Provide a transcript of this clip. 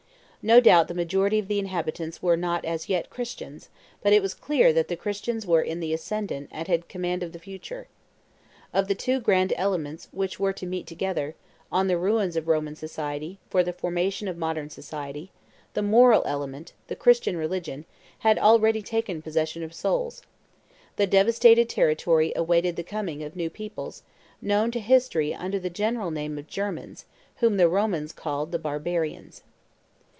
No doubt the majority of the inhabitants were not as yet Christians; but it was clear that the Christians were in the ascendant and had command of the future. Of the two grand elements which were to meet together, on the ruins of Roman society, for the formation of modern society, the moral element, the Christian religion, had already taken possession of souls; the devastated territory awaited the coming of new peoples, known to history under the general name of Germans, whom the Romans called the barbarians.